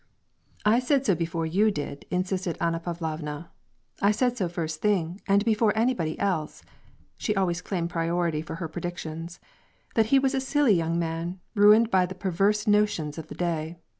" I said so before you did," insisted AnnaPavlovna; "I said so first thing, and before anybody else "— she always claimed priority for her predictions —" that he was a silly young man, ruined by the perverse notions of the day.